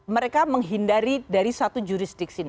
mereka menghindari dari satu jurisdiksi ini